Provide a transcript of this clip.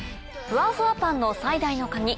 フワフワパンの最大の鍵